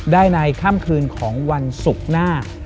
ได้ในค่ำคืนของวันศุกร์หน้า